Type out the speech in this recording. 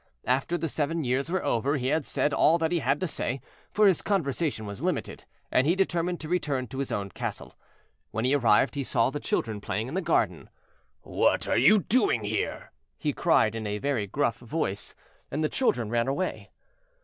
After the seven years were over he had said all that he had to say, for his conversation was limited, and he determined to return to his own castle. When he arrived he saw the children playing in the garden. "What are you doing here?" he cried in a very gruff voice, and the children ran away.